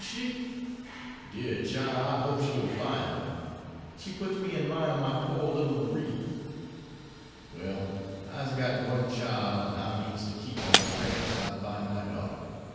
Dear chile! I hope she'll fine her! She puts me in mine ob my pore little Marie. Well, I'se got one chile, an' I means to keep on prayin' tell I fine my daughter.